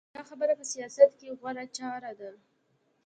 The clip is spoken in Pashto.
دا خبره په سیاست کې غوره چاره ده.